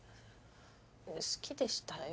好きでしたよ。